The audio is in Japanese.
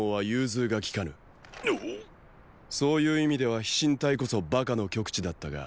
そういう意味では飛信隊こそバカの極致だったが。